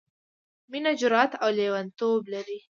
— مينه جرات او لېوانتوب دی...